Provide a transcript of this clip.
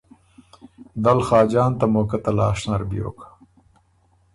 دل خاجان ته موقع تلاش نر بیوک۔